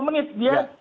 enam puluh menit dia